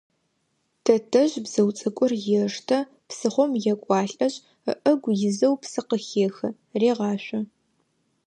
Тэтэжъ бзыу цӏыкӏур ештэ, псыхъом екӏуалӏэшъ, ыӏэгу изэу псы къыхехы, регъашъо.